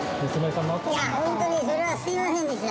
いや本当に、それはすみませんでした。